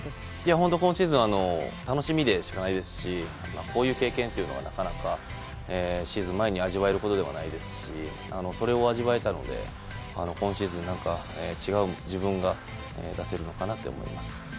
本当、今シーズン楽しみでしかないですしこういう経験というのはなかなかシーズン前に味わえることではないですしそれを味わえたので今シーズン、何か違う自分が出せるのかなと思います。